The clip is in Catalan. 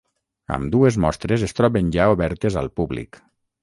Ambdues mostres es troben ja obertes al públic.